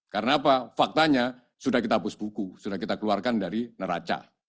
karena apa faktanya sudah kita hapus buku sudah kita keluarkan dari neraca